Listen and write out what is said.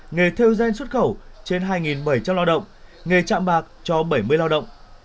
nghề theo gen xuất khẩu trên hai bảy trăm linh lao động nghề chạm bạc cho bảy mươi lao động